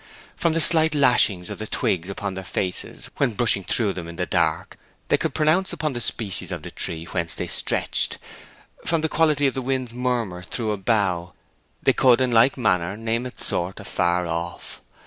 From the light lashing of the twigs upon their faces, when brushing through them in the dark, they could pronounce upon the species of the tree whence they stretched; from the quality of the wind's murmur through a bough they could in like manner name its sort afar off.